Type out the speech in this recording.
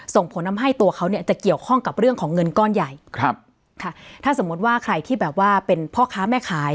ส่งผลทำให้ตัวเขาเนี่ยจะเกี่ยวข้องกับเรื่องของเงินก้อนใหญ่ครับค่ะถ้าสมมุติว่าใครที่แบบว่าเป็นพ่อค้าแม่ขาย